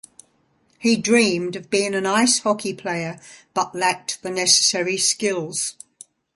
He dreamed of being an ice hockey player but lacked the necessary skills.